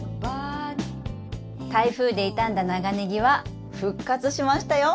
台風で傷んだ長ネギは復活しましたよ！